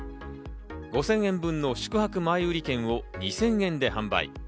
５０００円分の宿泊前売り券を２０００円で販売。